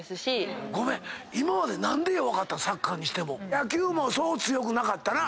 野球もそう強くなかったな。